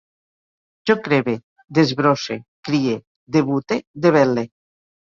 Jo crebe, desbrosse, crie, debute, debel·le